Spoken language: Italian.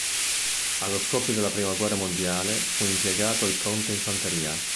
Allo scoppio della prima guerra mondiale, fu impiegato al fronte in fanteria.